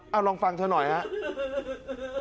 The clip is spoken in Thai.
เอาลองฟังเธอหน่อยครับ